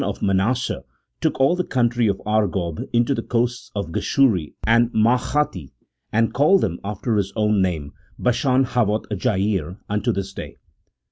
123" of Manasseh, took all tlie country of Argob unto the coasts of Geshuri and Maachathi ; and called them after his own name, Bashan haToth jair, unto this day."